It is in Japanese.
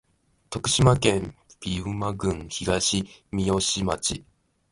徳島県美馬郡東みよし町